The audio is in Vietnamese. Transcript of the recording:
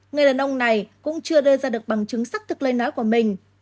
người đàn ông này cũng chưa đưa ra được bằng chứng xác thực lời nói của mình